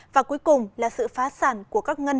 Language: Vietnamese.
và cuối cùng là sự phá sản của các ngân hàng